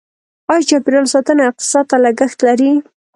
آیا چاپیریال ساتنه اقتصاد ته لګښت لري؟